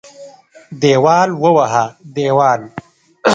دېوال ووهه دېوال.